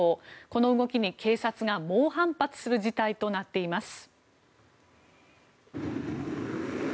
この動きに警察が猛反発する事態となっています。